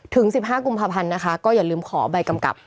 ถึง๑๕กุมภาพันธ์นะคะก็อย่าลืมขอใบกำกับ